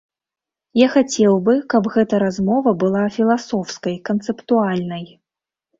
Я хацеў бы, каб гэта размова была філасофскай, канцэптуальнай.